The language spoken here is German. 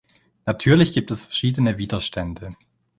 Natürlich gibt es verschiedene Widerstände.